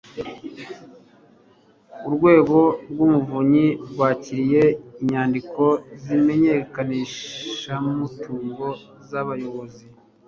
urwego rw'umuvunyi rwakiriye inyandiko z'imenyekanishamutungo z'abayobozi